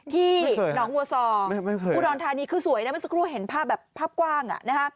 ที่หนองวัวซออุดรธานีคือสวยนะเมื่อสักครู่เห็นภาพแบบภาพกว้าง